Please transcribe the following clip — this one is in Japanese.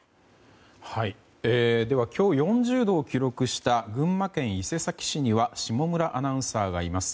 今日、４０度を記録した群馬県伊勢崎市には下村アナウンサーがいます。